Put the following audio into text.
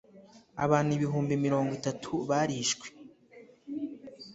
abantu ibihumbi mirongo itatu barishwe